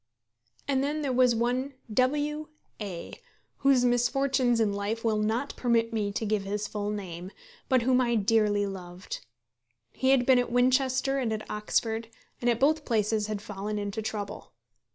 And then there was one W A , whose misfortunes in life will not permit me to give his full name, but whom I dearly loved. He had been at Winchester and at Oxford, and at both places had fallen into trouble.